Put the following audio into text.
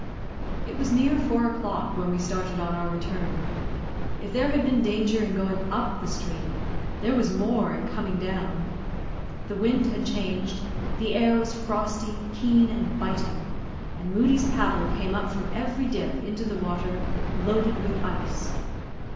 It was near four o'clock when we started on our return. If there had been danger in going up the stream, there was more in coming down. The wind had changed, the air was frosty, keen, and biting, and Moodie's paddle came up from every dip into the water loaded with ice.